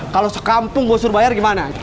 kalau sekampung gue suruh bayar gimana